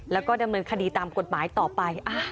แล้วก็ดำเนินคดีตามกฎหมายต่อไป